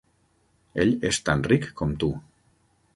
Ell és tan ric com tu.